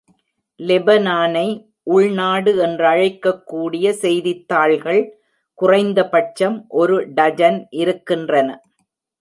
லெபனானை உள்நாடு என்றழைக்கக்கூடிய செய்தித்தாள்கள் குறைந்த பட்சம் ஒரு டஜன் இருக்கின்றன.